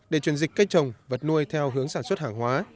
để chuyển dịch cây trồng vật nuôi theo hướng sản xuất hàng hóa